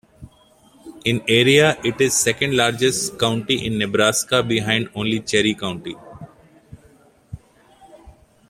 In area, it is the second largest county in Nebraska, behind only Cherry County.